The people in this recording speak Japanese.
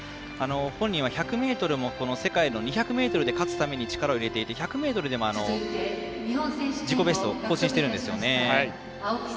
本人は１００ｍも世界の２００ｍで勝つために力を入れていて１００ｍでも自己ベストを更新してるんですよね。